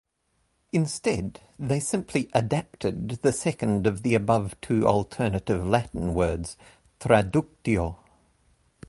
Instead, they simply "adapted" the second of the above two alternative Latin words, "traductio".